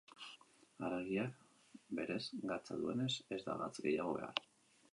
Haragiak berez gatza duenez ez da gatz gehiago behar.